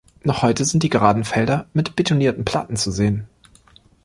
Noch heute sind die geraden Felder mit betonierten Platten zu sehen.